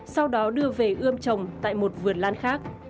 sau đó đưa về ươm trồng tại một vườn lan khác